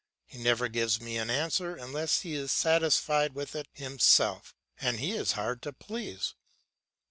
He never gives me an answer unless he is satisfied with it himself, and he is hard to please.